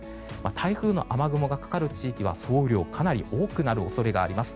台風の雨雲がかかる地域は総雨量かなり多くなる恐れがあります。